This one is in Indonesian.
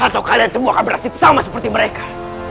atau kalian semua akan berhasil sama seperti mereka